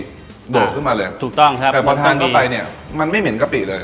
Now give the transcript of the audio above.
โดดขึ้นมาเลยถูกต้องครับแต่พอทานเข้าไปเนี่ยมันไม่เหม็เลย